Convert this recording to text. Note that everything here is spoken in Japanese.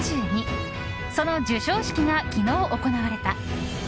その授賞式が昨日行われた。